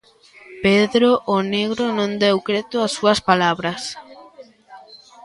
Pedro o Negro non deu creto ás súas palabras.